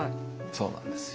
そうなんですよ。